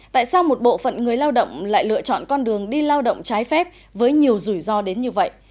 tại sao một bộ phận người lao động lại lựa chọn con đường đi lao động trái phép với nhiều rủi ro đến như vậy